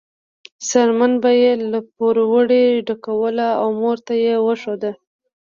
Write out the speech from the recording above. څرمن به یې له پروړې ډکوله او مور ته یې وښوده.